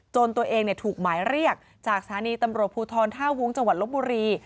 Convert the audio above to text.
จนตัวเองถูกหมายเรียกจากสถานีตำรวจภูทร๕วงจลบบุรี